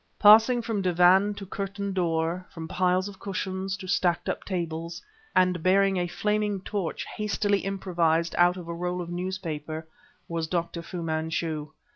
Passing from divan to curtained door, from piles of cushions to stacked up tables, and bearing a flaming torch hastily improvised out of a roll of newspaper, was Dr. Fu Manchu.